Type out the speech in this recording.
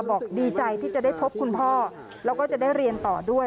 บอกดีใจที่จะได้พบคุณพ่อแล้วก็จะได้เรียนต่อด้วย